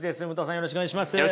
よろしくお願いします。